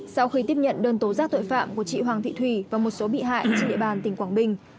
sau khi tiếp nhận đơn tố giác tội phạm của chị hoàng thị thùy và một số bị hại trên địa bàn tỉnh quảng bình